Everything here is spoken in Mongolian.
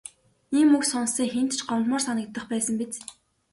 Ийм үг сонссон хэнд ч гомдмоор санагдах байсан биз.